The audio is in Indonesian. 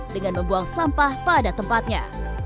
dengan membuang sampah pada tempatnya